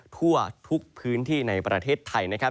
ทั่วทุกพื้นที่ในประเทศไทยนะครับ